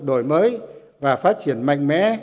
đổi mới và phát triển mạnh mẽ